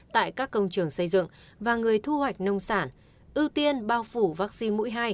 tại các công trường xây dựng và người thu hoạch nông sản ưu tiên bao phủ vaccine mũi hai